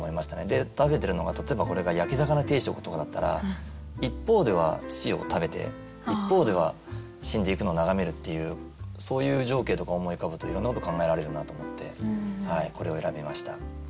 で食べてるのが例えばこれが焼き魚定食とかだったら一方では死を食べて一方では死んでいくのを眺めるっていうそういう情景とか思い浮かぶといろんなこと考えられるなと思ってこれを選びました。